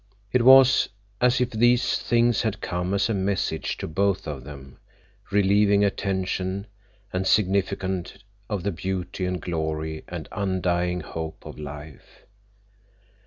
It was as if these things had come as a message to both of them, relieving a tension, and significant of the beauty and glory and undying hope of life.